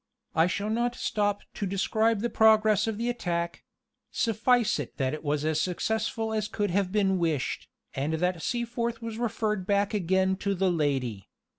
I shall not stop to describe the progress of the attack; suffice it that it was as successful as could have been wished, and that Seaforth was referred back again to the lady.